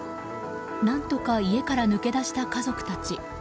何とか家から抜け出した家族たち。